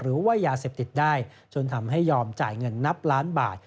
หรือว่ายาเสพติดได้จนทำให้ยอมจ่ายเงินนับล้านบาท